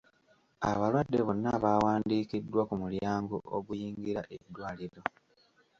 Abalwadde bonna baawandiikiddwa ku mulyango oguyingira eddwaliro.